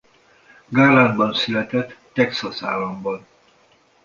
Garlandban született Texas államban.